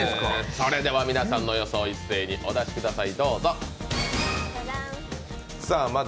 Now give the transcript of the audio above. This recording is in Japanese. それでは皆さんの予想一斉におだしください。